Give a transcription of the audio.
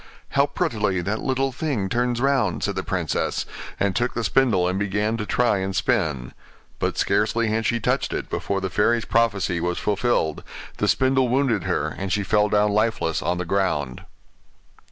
'How prettily that little thing turns round!' said the princess, and took the spindle and began to try and spin. But scarcely had she touched it, before the fairy's prophecy was fulfilled; the spindle wounded her, and she fell down lifeless on the ground.